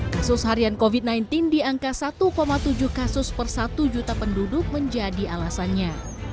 kasus harian covid sembilan belas di angka satu tujuh kasus per satu juta penduduk menjadi alasannya